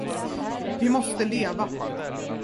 Vi måste leva.